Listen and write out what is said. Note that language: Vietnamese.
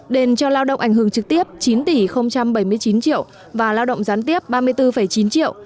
đền cho lao động ảnh hưởng trực tiếp chín tỷ bảy mươi chín triệu và lao động gián tiếp ba mươi bốn chín triệu